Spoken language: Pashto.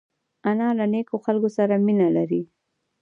انا له نیکو خلکو سره مینه لري